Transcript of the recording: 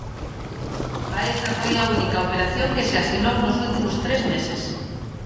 Baeza foi a única operación que se asinou nos últimos tres meses.